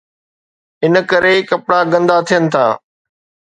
ان ڪري ڪپڙا گندا ٿين ٿا.